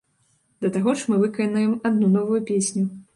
Да таго ж мы выканаем адну новую песню.